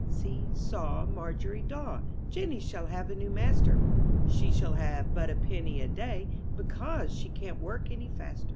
c^ CEE SAW, Margery Daw, ^ Jenny shall have a new master, She shall have but a penny a day, "^'''' ^C^ Because she can*t work any fast er.